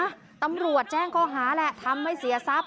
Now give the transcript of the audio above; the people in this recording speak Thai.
ตำรวจแจ้งข้อหาแหละทำให้เสียทรัพย